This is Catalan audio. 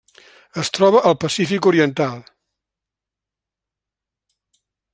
Es troba al Pacífic oriental: